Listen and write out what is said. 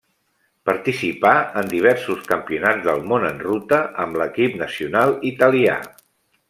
Participà en diversos campionats del món en ruta amb l'equip nacional italià.